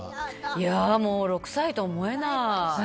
いやもう、６歳とは思えない。